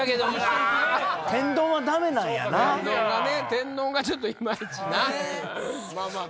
天丼がちょっといまいちな。